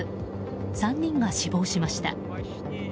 ３人が死亡しました。